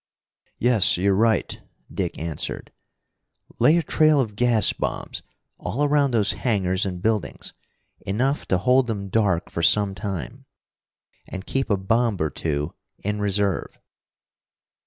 "Yes, you're right," Dick answered. "Lay a trail of gas bombs all around those hangars and buildings, enough to hold them dark for some time. And keep a bomb or two in reserve."